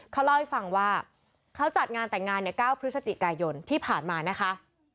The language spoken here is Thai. เขาเล่าให้ฟังว่าเขาจัดงานแต่งงานใน๙พฤศจิกายนที่ผ่านมานะคะ